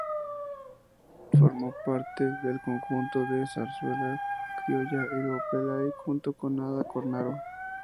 Formó parte del "Conjunto de zarzuela criolla Ivo Pelay", junto con Ada Cornaro.